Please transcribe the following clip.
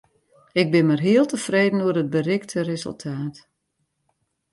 Ik bin mar heal tefreden oer it berikte resultaat.